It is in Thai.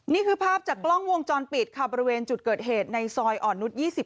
นี่คือภาพจากกล้องวงจรปิดค่ะบริเวณจุดเกิดเหตุในซอยอ่อนนุษย์๒๐